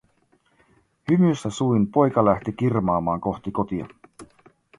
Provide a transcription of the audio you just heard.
Hymyssä suin poika lähti kirmaamaan kohti kotia.